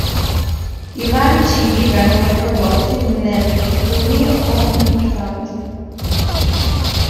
I vari cibi vengono prodotti nelle fattorie o importati.